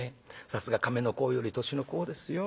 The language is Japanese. さすが亀の甲より年の功ですよ。